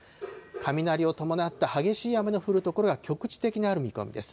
雷を伴った激しい雨の降る所が局地的にある見込みです。